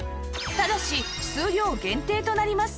ただし数量限定となります